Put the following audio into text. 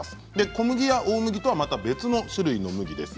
小麦や大麦とはまた別の種類の麦です。